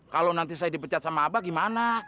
kalau nanti saya dipecat sama abah gimana